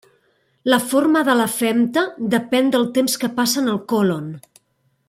La forma de la femta depèn del temps que passa en el còlon.